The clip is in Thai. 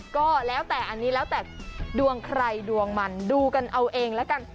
ก็แล้วแต่อันนี้แล้วแต่ดวงใครดวงมันดูกันเอาเองแล้วกัน